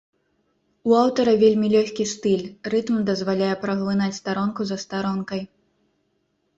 У аўтара вельмі лёгкі стыль, рытм дазваляе праглынаць старонку за старонкай.